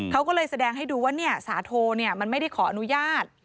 เขาก็เลยแสดงให้ดูว่าสาโทมันไม่ได้ขออนุญาต